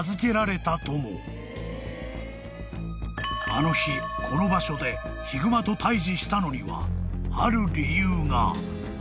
［あの日この場所でヒグマと対峙したのにはある理由が］